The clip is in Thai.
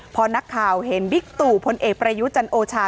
พอนักข่าวเห็นบิ๊กตู่พลเอกประยุจันโอชา